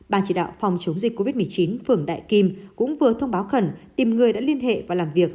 ban chỉ đạo phòng chống dịch covid một mươi chín phường đại kim cũng vừa thông báo khẩn tìm người đã liên hệ và làm việc